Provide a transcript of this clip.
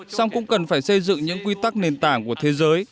song cũng cần phải xây dựng những quy tắc nền tảng của thế giới